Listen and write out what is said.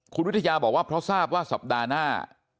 คุณวิทยาบอกว่าเพราะทราบว่าสัปดาห์หน้า